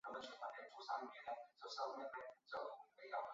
卖隐私得方便